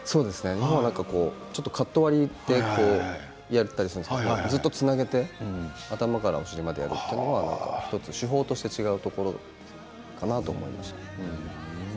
日本はカット割りでやったりするんですが向こうは、ずっとつなげて頭からお尻までそれが手法として違うところかなと思います。